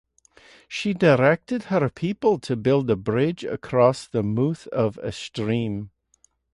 She directed her people to build a bridge across the mouth of a stream.